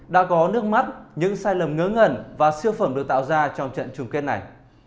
đã có nước mắt những sai lầm ngớ ngẩn và siêu phẩm được tạo ra trong trận chung kết này